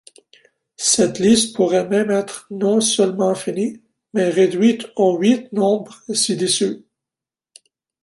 Cette liste pourrait même être non seulement finie, mais réduite aux huit nombres ci-dessus.